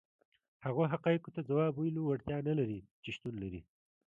هغو حقایقو ته ځواب ویلو وړتیا نه لري چې شتون لري.